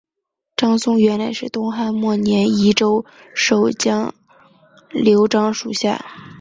张松原来是东汉末年益州守将刘璋属下。